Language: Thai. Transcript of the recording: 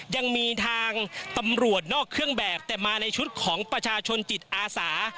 ยังมีทางตำรวจนอกเครื่องแบบแต่มาในชุดของประชาชนจิตอาสา